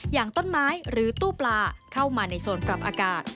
อย่างต้นไม้หรือตู้ปลาเข้ามาในโซนปรับอากาศ